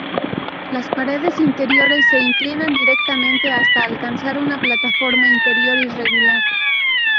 Las paredes interiores se inclinan directamente hasta alcanzar una plataforma interior irregular.